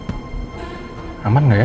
udah gitu panas kan di luar